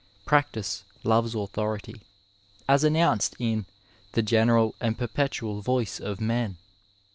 Practice loves authority, as announced in ^' the general and perpetual voice of men."